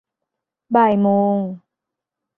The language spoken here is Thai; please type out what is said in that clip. บ่ายโมง